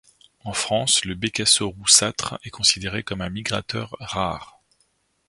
En France, le Bécasseau roussâtre est considéré comme un migrateur rare.